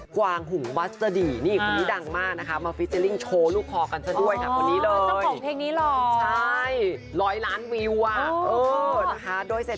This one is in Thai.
กวางหุงวัสดินี่คุณนี้ดังมากมาโฟฟิศเจลลิ้งโชว์ลูกคอร์กันซะด้วยคนนี้เลย